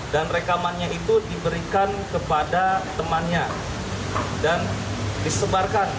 dan rekamannya itu diberikan kepada temannya dan disebarkan